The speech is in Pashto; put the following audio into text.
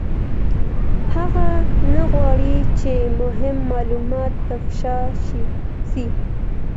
هغه نه غواړي چي مهم معلومات افشا سي.